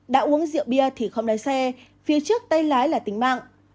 đã uống rượu bia thì không lái xe phía trước tay lái là tính mạng